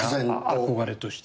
憧れとして。